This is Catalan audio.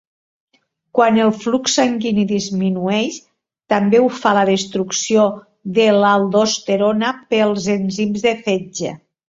Quan el flux sanguini disminueix, també ho fa la destrucció de l'aldosterona pels enzims de fetge.